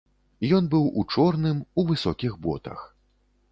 Ён быў у чорным, у высокіх ботах.